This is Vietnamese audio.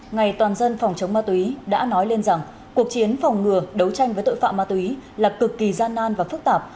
ngày toàn dân phòng chống ma túy đã nói lên rằng cuộc chiến phòng ngừa đấu tranh với tội phạm ma túy là cực kỳ gian nan và phức tạp